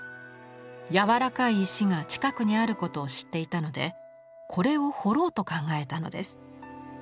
やわらかい石が近くにあることを知っていたのでこれを彫ろうと考えたのです。